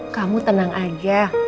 kamu tenang aja